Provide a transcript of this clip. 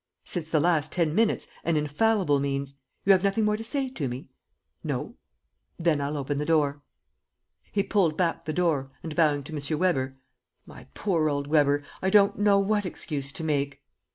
"Since the last ten minutes, an infallible means. You have nothing more to say to me?" "No." "Then I'll open the door." He pulled back the door, and bowing to M. Weber: "My poor old Weber, I don't know what excuse to make